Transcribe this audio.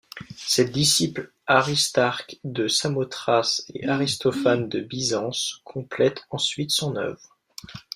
Ses disciples Aristarque de Samothrace et Aristophane de Byzance complètent ensuite son œuvre.